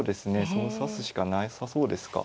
そう指すしかなさそうですか。